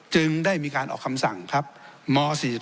จึงได้มีการออกคำสั่งครับม๔๔